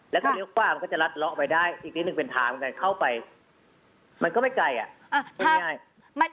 แล้วก็เรียกว่ามันก็จะรัดละออกไปได้อีกทิศนึงเป็นทางมันก็จะเข้าไปมันก็ไม่ไกลอ่ะ